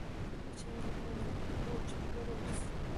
د چای لپاره مو ککو او چاکلېټ واخيستل.